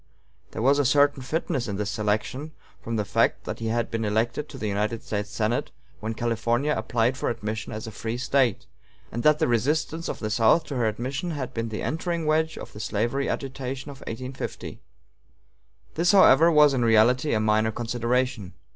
There was a certain fitness in this selection, from the fact that he had been elected to the United States Senate when California applied for admission as a free State, and that the resistance of the South to her admission had been the entering wedge of the slavery agitation of 1850. This, however, was in reality a minor consideration.